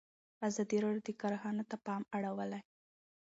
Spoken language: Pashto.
ازادي راډیو د کرهنه ته پام اړولی.